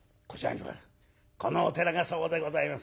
このお寺がそうでございます」。